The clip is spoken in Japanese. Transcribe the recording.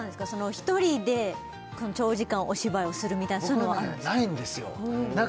１人で長時間お芝居をするみたいなそういうのはあるんですか？